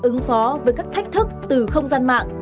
ứng phó với các thách thức từ không gian mạng